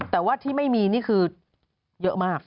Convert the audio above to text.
แต่ว่าที่ไม่มีนี่คือเยอะมาก